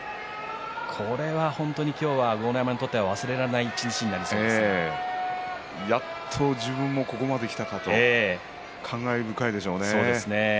これは本当に今日は豪ノ山にとってはやっと自分もここまできたかと感慨深いでしょうね。